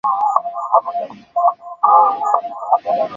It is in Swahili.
kikiwa na nyumba chache za bati na nyingi za nyasi na zilizojengwa kwa tope